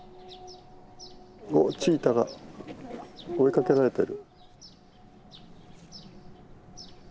おチーターが追いかけられてる。